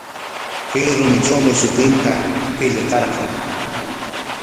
Chay rumitrawmi shutinta qillqarqan.